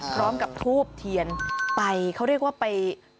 พร้อมกับทูบเทียนไปเขาเรียกว่าไป